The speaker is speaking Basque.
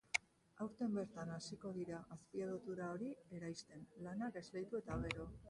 Aurten bertan hasiko dira azpiegitura hori eraisten, lanak esleitu eta gero.